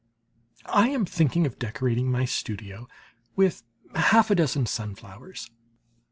I am thinking of decorating my studio with half a dozen sunflowers.